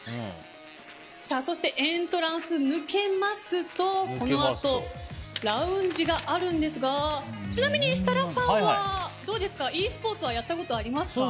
そしてエントランスを抜けますとこのあとラウンジがあるんですがちなみに、設楽さんはｅスポーツはやったことありますか？